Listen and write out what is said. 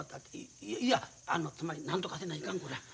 いいやあのつまりなんとかせないかんこりゃ。